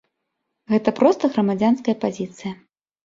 Гэта проста грамадзянская пазіцыя.